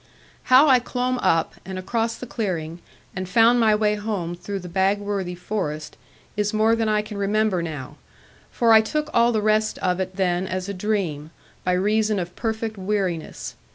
How I clomb up, and across the clearing, and found my way home through the Bagworthy forest, is more than I can remember now, for I took all the rest of it then as a dream, by reason of perfect weariness.